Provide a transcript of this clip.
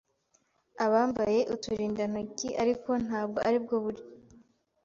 abambaye uturindantoki ariko nta bwo ari bwo buryo